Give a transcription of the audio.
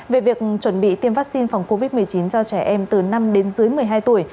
về việc chuẩn bị tiêm vaccine phòng covid một mươi chín cho trẻ em từ năm đến dưới một mươi hai tuổi